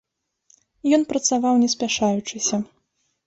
Ён працаваў не спяшаючыся.